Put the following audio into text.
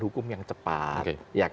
hukum yang cepat